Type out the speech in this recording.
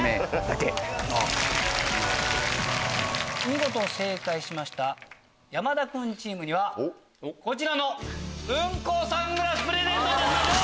見事正解しました山田君チームにはこちらのうんこサングラスプレゼントいたします！